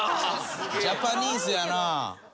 ジャパニーズやな。